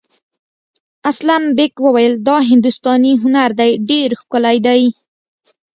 اسلم بېگ وویل دا هندوستاني هنر دی ډېر ښکلی دی.